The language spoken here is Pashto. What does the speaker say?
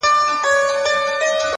چي زه تورنه ته تورن سې گرانه “